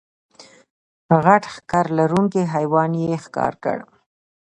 غټ ښکر لرونکی حیوان یې ښکار کړ.